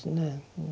うん。